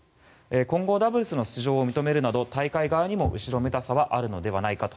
混合ダブルスの出場を認めるなど大会側にも後ろめたさはあるのではないかと。